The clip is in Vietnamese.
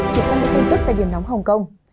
chuyển sang một tin tức tại điểm nóng hồng kông